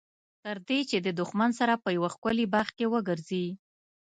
تر دې چې د دښمن سره په یوه ښکلي باغ کې وګرځي.